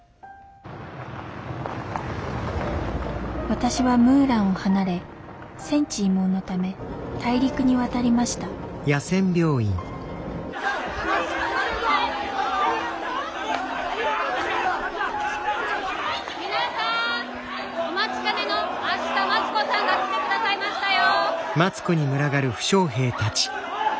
私はムーランを離れ戦地慰問のため大陸に渡りました皆さんお待ちかねの明日待子さんが来て下さいましたよ。